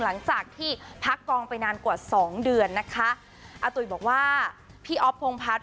หลังจากที่พักกองไปนานกว่าสองเดือนนะคะอาตุ๋ยบอกว่าพี่อ๊อฟพงพัฒน